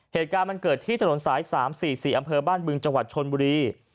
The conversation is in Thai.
เหตุการณ์มันเกิดที่ถนนสาย๓๔๔อำเภอบ้านบึงจังหวัดชนบุรี